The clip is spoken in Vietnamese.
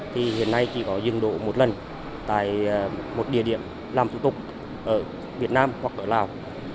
thì hiện nay chỉ có dừng độ một lần tại một địa điểm làm thủ tục ở việt nam hoặc ở lào